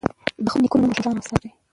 د خپلو نیکونو نوم روښانه وساتئ.